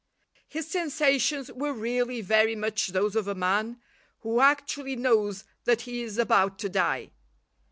His sensations were really very much those of a man who actually knows that he is about to die.